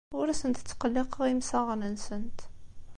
Ur asent-ttqelliqeɣ imsaɣen-nsent.